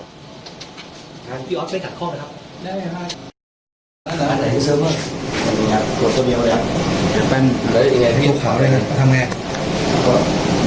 แล้วเราก็ถอดลดไปได้เลยมีกล้องก็ออกก็ใช้ไม่ได้แล้ว